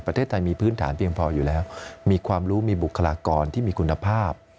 ประเทศไทยมีพื้นฐานเพียงพออยู่แล้วมีความรู้มีบุคลากรที่มีคุณภาพ